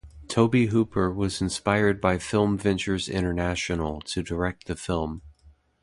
Tobe Hooper was hired by Film Ventures International to direct the film.